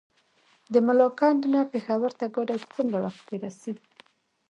د ملاکنډ نه پېښور ته ګاډی په څومره وخت کې رسي؟